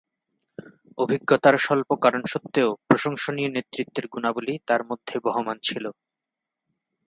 অভিজ্ঞতার স্বল্প কারণ স্বত্ত্বেও প্রশংসনীয় নেতৃত্বের গুণাবলী তার মধ্যে বহমান ছিল।